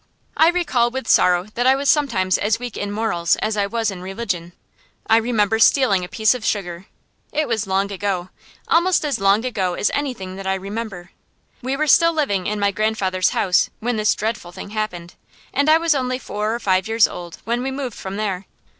I recall with sorrow that I was sometimes as weak in morals as I was in religion. I remember stealing a piece of sugar. It was long ago almost as long ago as anything that I remember. We were still living in my grandfather's house when this dreadful thing happened and I was only four or five years old when we moved from there.